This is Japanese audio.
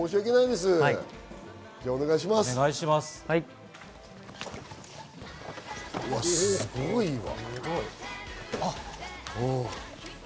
すごいわ！